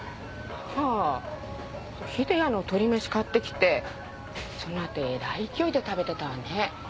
はぁ日出谷の鳥めし買ってきてそのあとえらい勢いで食べてたわね。